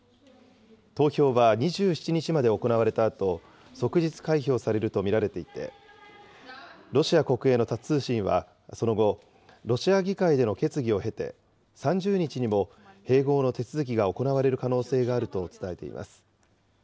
投票は２７日まで行われたあと、即日開票されると見られていて、ロシア国営のタス通信は、その後、ロシア議会での決議を経て、３０日にも併合の手続きが行われる可